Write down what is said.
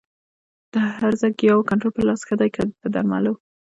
د هرزه ګیاوو کنټرول په لاس ښه دی که په درملو؟